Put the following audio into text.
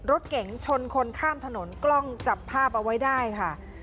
รถเก๋งชนคนข้ามถนนกล้องจับภาพเอาไว้ได้ค่ะ